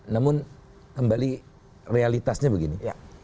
namun kembali realitasnya begini